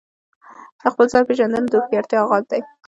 د خپل ځان پیژندنه د هوښیارتیا آغاز دی.